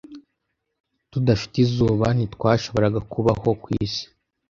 Tudafite izuba, ntitwashoboraga kubaho ku isi.